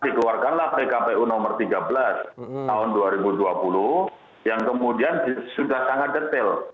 dikeluarkanlah pkpu nomor tiga belas tahun dua ribu dua puluh yang kemudian sudah sangat detail